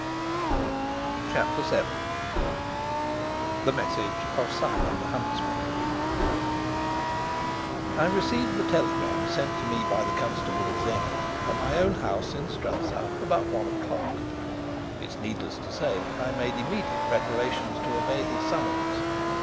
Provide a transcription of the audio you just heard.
CHAPTER VII. THE MESSAGE OF SIMON THE HUNTSMAN I RECEIVED the telegram sent to me by the Constable of Zenda at my own house in Strelsau about one o'clock. It is needless to say that I made immediate preparations to obey his summons.